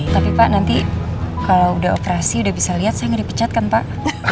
tapi pak nanti kalau udah operasi udah bisa lihat saya nggak dipecat kan pak